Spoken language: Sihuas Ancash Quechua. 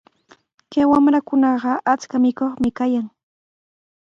Kay wamrakunaqa achka mikuqmi kayan.